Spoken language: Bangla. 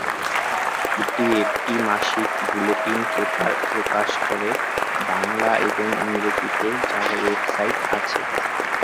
এটি একটি মাসিক বুলেটিন পেপার প্রকাশ করে ।বাংলা এবং ইংরেজিতে যার ওয়েবসাইট আছে।